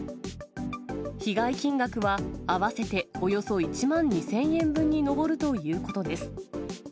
被害金額は合わせておよそ１万２０００円分に上るということです。